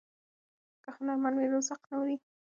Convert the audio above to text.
که هنرمند وي نو ذوق نه مري.